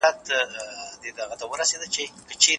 کليشه يي کتابونه خلګ نه لولي.